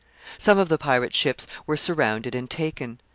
Some of the pirates' ships were surrounded and taken.